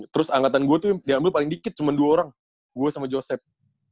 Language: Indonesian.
terus angkatan gue tuh diambil paling dikit cuma dua orang gue sama joseph